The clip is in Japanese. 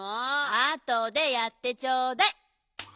あとでやってちょうだい。